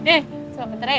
eh selamat rindu